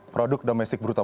produk domestik bruto